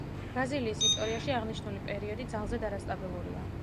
ბრაზილიის ისტორიაში აღნიშნული პერიოდი ძალზედ არასტაბილურია.